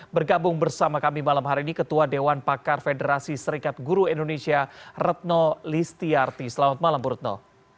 bergabung bersama kami malam hari ini ketua dewan pakar federasi serikat guru indonesia retno listiarti selamat malam bu retno